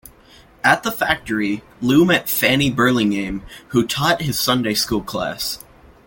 At the factory, Lue met Fannie Burlingame, who taught his Sunday School class.